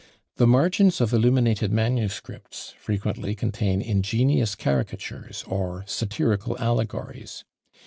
The margins of illuminated manuscripts frequently contain ingenious caricatures, or satirical allegories.